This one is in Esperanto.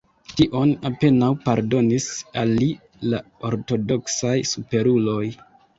Tion apenaŭ pardonis al li la ortodoksaj superuloj.